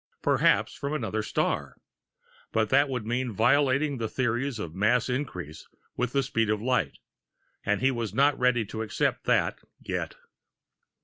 Perhaps from another star but that would mean violating the theories of mass increase with the speed of light, and he was not ready to accept that, yet.